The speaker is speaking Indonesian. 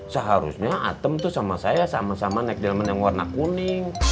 seharusnya atem tuh sama saya sama sama nek delman yang warna kuning